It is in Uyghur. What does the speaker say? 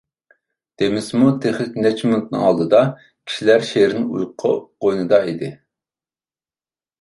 دېمىسىمۇ، تېخى نەچچە مىنۇتنىڭ ئالدىدا كىشىلەر شېرىن ئۇيقۇ قوينىدا ئىدى.